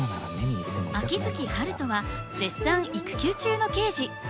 秋月春風は絶賛育休中の刑事。